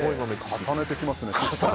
重ねてきますね。